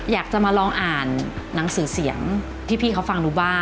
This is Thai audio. อยากจะมาลองอ่านหนังสือเสียงที่พี่เขาฟังดูบ้าง